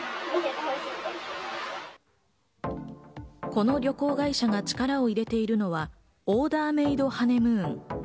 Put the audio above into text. この旅行会社が力を入れているのはオーダーメードハネムーン。